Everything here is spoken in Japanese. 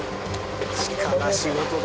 力仕事だ。